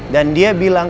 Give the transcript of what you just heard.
dan dia bilang